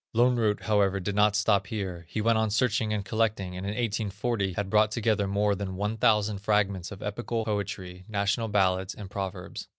Lönnrot, however, did not stop here; he went on searching and collecting, and, in 1840, had brought together more than one thousand fragments of epical poetry, national ballads, and proverbs.